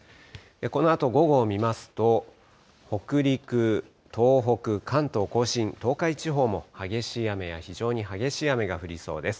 このあと午後を見ますと、北陸、東北、関東甲信、東海地方も、激しい雨や非常に激しい雨が降りそうです。